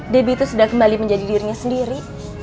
debbie itu sudah kembali menjadi dirinya sendiri